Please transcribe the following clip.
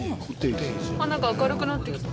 何か明るくなって来た